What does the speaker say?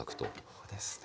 そうですね。